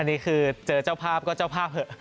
อันนี้คือเจอเจ้าภาพก็เจ้าภาพเถอะ